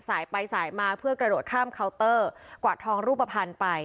สายไปสายมาเพื่อกระโดดข้ามเคาน์เตอร์กวาดทองรูปภัณฑ์ไป